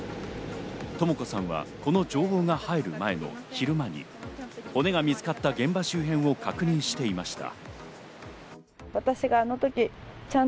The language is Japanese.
とも子さんは、この情報が入る前の昼間に骨が見つかった現場周辺を確認していました。